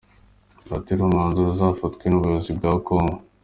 Bategereje umwanzuro uzafatwa n’ubuyobozi bwa Congo.